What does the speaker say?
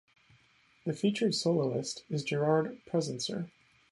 The featured soloist is Gerard Presencer.